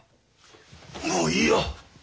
もういいよ。